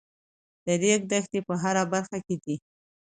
د ریګ دښتې په هره برخه کې دي.